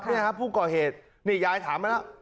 นี่ครับผู้ก่อเหตุนี่ยายถามมาแล้ว